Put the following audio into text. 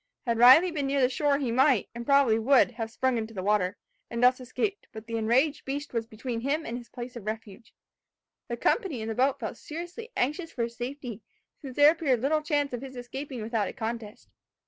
Had Riley been near the shore he might, and probably would, have sprung into the water, and thus escaped; but the enraged beast was between him and his place of refuge. The company in the boat felt seriously anxious for his safety, since there appeared little chance of his escaping without a contest.